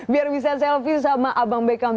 biar bisa selfie sama abang beckham